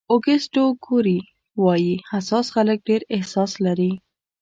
اوګسټو کوري وایي حساس خلک ډېر احساس لري.